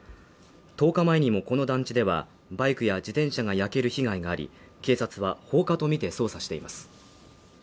１０日前にもこの団地では、バイクや自転車が焼ける被害があり、警察は放火とみて捜査しています。